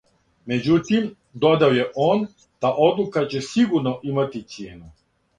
"Меđутим, додао је он, та одлука "ће сигурно имати цијену"."